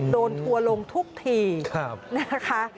โดนถั่วลงทุกทีนะคะ